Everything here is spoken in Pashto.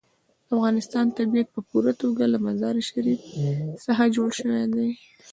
د افغانستان طبیعت په پوره توګه له مزارشریف څخه جوړ شوی دی.